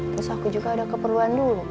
terus aku juga ada keperluan dulu